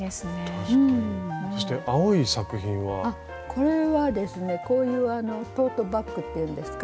これはですねこういうあのトートバッグっていうんですか